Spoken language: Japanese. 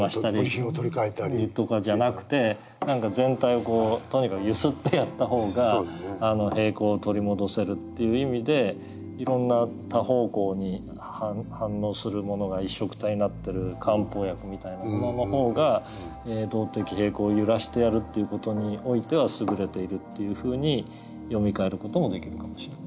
部品を取り替えたり。とかじゃなくて何か全体をこうとにかく揺すってやった方が平衡を取り戻せるという意味でいろんな多方向に反応するものがいっしょくたになってる漢方薬みたいなものの方が動的平衡を揺らしてやるっていう事においては優れているっていうふうに読み替える事もできるかもしれない。